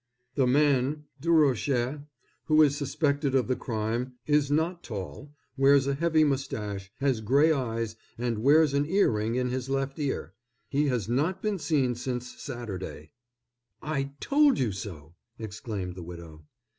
"'The man Durocher, who is suspected of the crime, is not tall, wears a heavy mustache, has gray eyes, and wears an ear ring in his left ear. He has not been seen since Saturday.'" "I told you so!" exclaimed the widow.